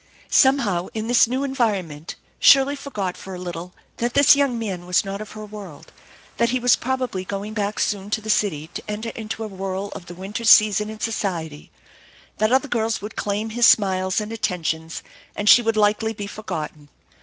Somehow in the new environment Shirley forgot for a little that this young man was not of her world, that he was probably going back soon to the city to enter into a whirl of the winter's season in society, that other girls would claim hia smiles and attentions, and she would likely be forgotten.